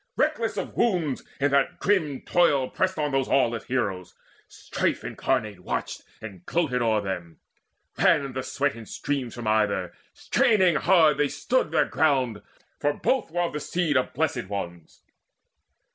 Reckless of wounds, in that grim toil pressed on Those aweless heroes: Strife incarnate watched And gloated o'er them. Ran the sweat in streams From either: straining hard they stood their ground, For both were of the seed of Blessed Ones.